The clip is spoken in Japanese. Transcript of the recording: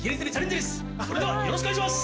それではよろしくお願いします。